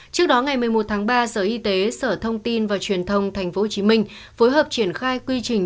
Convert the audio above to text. trước đó ngày một mươi một tháng ba sở y tế sở thông tin và truyền thông tp hcm phối hợp triển khai quy trình